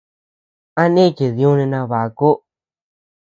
¿A nichid yúni nabaku?